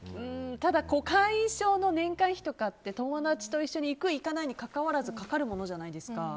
ただ会員証の年会費とかって友達と一緒に行く、行かないに関わらずかかるものじゃないですか。